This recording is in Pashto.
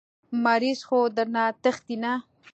مريض خو درنه تښتي نه.